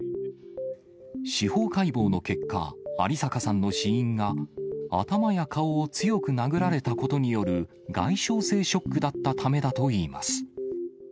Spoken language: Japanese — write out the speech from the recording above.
司法解剖の結果、有坂さんの死因が、頭や顔を強く殴られたことによる外傷性ショックだったためだといいます。